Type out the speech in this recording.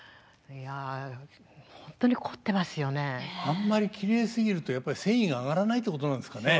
あんまりきれいすぎるとやっぱり戦意が上がらないってことなんですかね。